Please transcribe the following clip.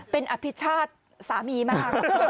เป็นอภิชาติสามีไหมคะ